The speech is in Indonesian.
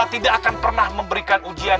tidak akan pernah memberikan ujian